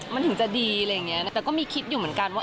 มันถึงจะดีอะไรอย่างนี้แต่ก็มีคิดอยู่เหมือนกันว่า